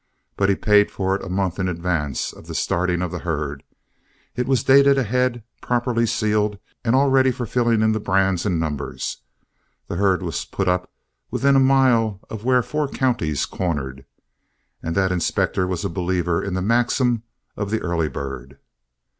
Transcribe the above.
But he paid for it a month in advance of the starting of the herd. It was dated ahead, properly sealed, and all ready for filling in the brands and numbers. The herd was put up within a mile of where four counties cornered, and that inspector was a believer in the maxim of the early bird.